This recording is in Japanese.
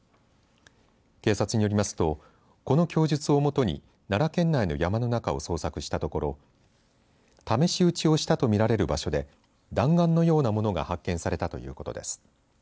警察によりますとこの供述を基に奈良県内の山の中を捜索したところ試し撃ちをしたと見られる場所で弾丸のようなものが発見されたということです。